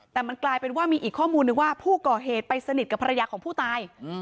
แต่มันกลายเป็นว่ามีอีกข้อมูลนึงว่าผู้ก่อเหตุไปสนิทกับภรรยาของผู้ตาย